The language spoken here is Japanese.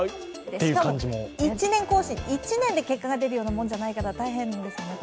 しかも１年更新、１年で結果が出るものではないから大変ですね。